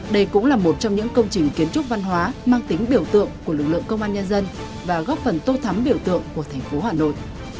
đây cũng là một trong những công trình kiến trúc văn hóa mang tính biểu tượng của lực lượng công an nhân dân và góp phần tô thắm biểu tượng của thành phố hà nội